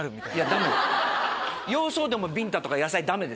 ダメです洋装でもビンタとか野菜ダメです。